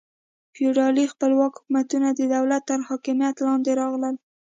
فیوډالي خپلواک حکومتونه د دولت تر حاکمیت لاندې راغلل.